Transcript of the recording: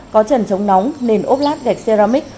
có trần chống nóng nền ốp lát gạch ceramic